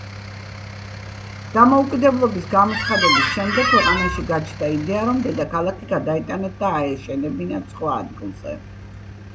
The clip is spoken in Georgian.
დამოუკიდებლობის გამოცხადების შემდეგ ქვეყანაში გაჩნდა იდეა, რომ დედაქალაქი გადაეტანათ და აეშენებინათ სხვა ადგილზე.